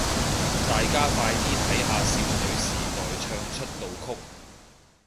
大家快啲睇下少女時代唱出道曲